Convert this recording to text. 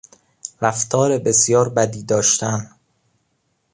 رفتار بسیار بدی داشتن